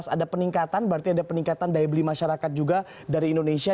ada peningkatan berarti ada peningkatan daya beli masyarakat juga dari indonesia